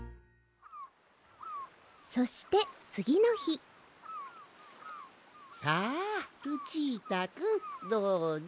そしてつぎのひさあルチータくんどうぞ。